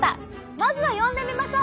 まずは呼んでみましょう！